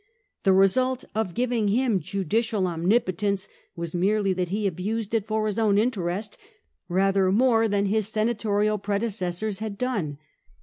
The result of giving him judicial omnipotence was merely that he abused it for his own interest rather more than his senatorial pre decessors had done.